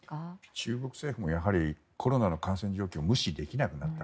中国政府もやはりコロナの感染状況を無視できなくなっている。